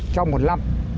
trong một năm